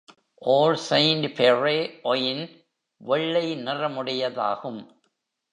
All Saint-Péray wine வெள்ளை நிறமுடையதாகும்.